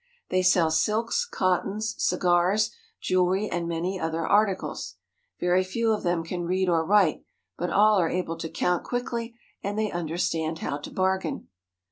They sell silks, cottons, cigars, jewelry, and many other articles. Very few of them can read or write, but all are able to count quickly, and they understand how to bargain.